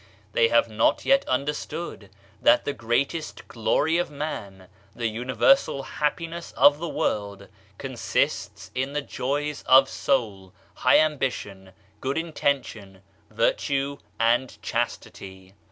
They have not yet under stood that the greatest glory of man, the universal happiness of the' world, consists in the joys of soul, high ambition, good intention, virtue and chastity.